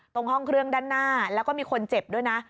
ตรงห้องเครื่องด้านหน้าแล้วก็มีคนเจ็บด้วยนะ